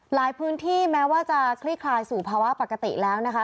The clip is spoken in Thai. หลายพื้นที่แม้ว่าจะคลี่คลายสู่ภาวะปกติแล้วนะคะ